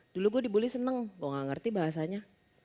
dulu gue dibully seneng gue gak ngerti bahasanya